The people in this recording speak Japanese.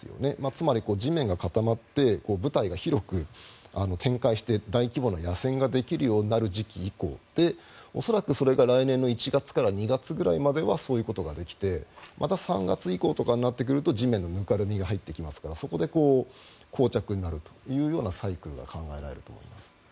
つまり、地面が固まって部隊が広く展開して大規模な野戦ができるようになる時期以降で恐らくそれが来年の１月から２月ぐらいまではそれができてまた３月以降とかになってくると地面のぬかるみが入ってきますからそこでこう着になるというサイクルが考えられると思います。